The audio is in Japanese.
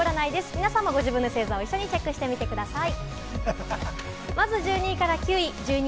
皆さんもご自分の星座を一緒にチェックしてみてください。